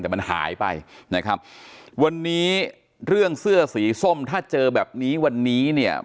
แต่มันหายไปนะครับวันนี้เรื่องเสื้อสีส้มถ้าเจอแบบนี้วันนี้เนี่ย